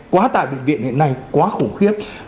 quá tải bệnh viện hiện nay quá khủng khiếp